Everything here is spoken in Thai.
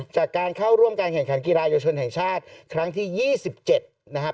จากการเข้าร่วมการแข่งขันกีฬาเยาวชนแห่งชาติครั้งที่๒๗นะครับ